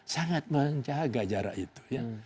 sangat menjaga jarak itu ya